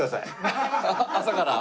朝から？